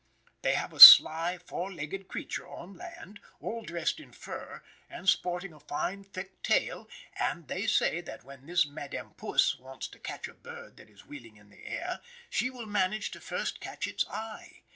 They have a sly, four legged creature on land, all dressed in fur, and sporting a fine, thick tail, and they say that when this Madame Puss wants to catch a bird that is wheeling in the air, she will manage to first catch its eye.